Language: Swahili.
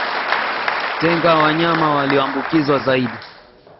Tenga wanyama walioambukizwa zaidi